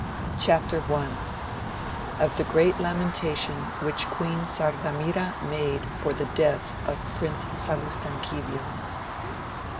Chap. I. — Of the great lathentation which Queen Sardamira made for the death of Prince Salustanquidio.